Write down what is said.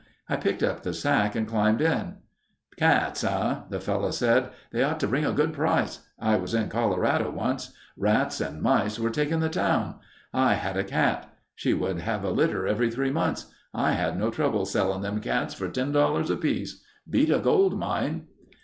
I picked up the sack and climbed in. "'Cats, eh?' the fellow said. 'They ought to bring a good price. I was in Colorado once. Rats and mice were taking the town. I had a cat. She would have a litter every three months. I had no trouble selling them cats for ten dollars apiece. Beat a gold mine.